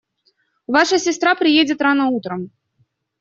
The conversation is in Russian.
Ваша сестра приедет рано утром.